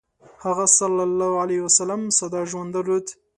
هغه ﷺ ساده ژوند درلود.